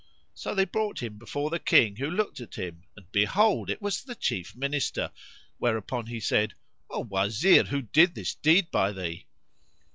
So they brought him before the King who looked at him; and behold, it was the chief Minister; whereupon he said, "O Wazir who did this deed by thee?"